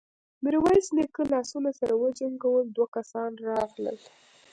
ميرويس نيکه لاسونه سره وجنګول، دوه کسان راغلل.